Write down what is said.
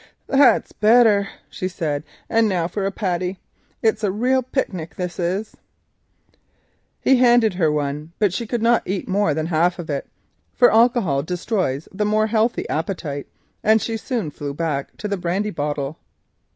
"That's better," she said, "and now for a patty. It's a real picnic, this is." He handed her one, but she could not eat more than half of it, for alcohol destroys the healthier appetites, and she soon went back to the brandy bottle.